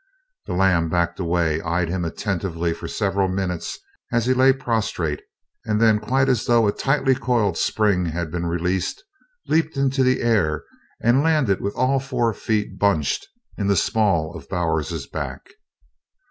The lamb backed away, eyed him attentively for several minutes as he lay prostrate, and then quite as though a tightly coiled spring had been released, leaped into the air and landed with all four feet bunched in the small of Bowers's back.